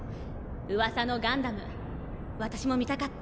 うわさのガンダム私も見たかった。